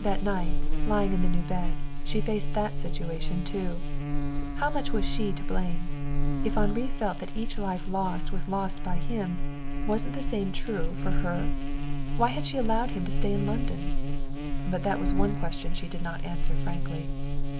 That night, lying in the new bed, she faced that situation too. How much was she to blame? If Henri felt that each life lost was lost by him wasn't the same true for her? Why had she allowed him to stay in London? But that was one question she did not answer frankly.